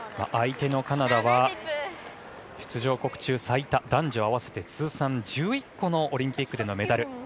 相手のカナダは出場国中最多男女合わせて通算１１個のオリンピックでのメダル。